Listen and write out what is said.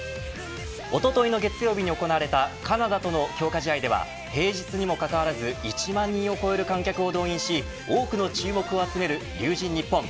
おとといの月曜日に行われたカナダとの強化試合では平日にもかかわらず１万人を超える観客を動員し多くの注目を集める龍神ＮＩＰＰＯＮ。